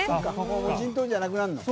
無人島じゃなくなるのか。